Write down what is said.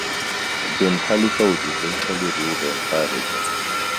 Bin Khalifa would eventually rule the entire region.